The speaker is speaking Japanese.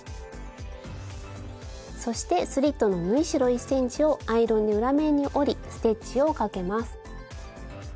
そしてスリットの縫い代１ｃｍをアイロンで裏面に折りステッチをかけます。